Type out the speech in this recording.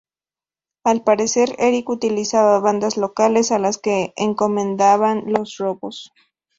Al parecer Erik utilizaba bandas locales a las que encomendaba los robos.